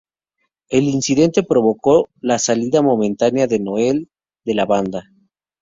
El incidente provocó la salida momentánea de Noel de la banda.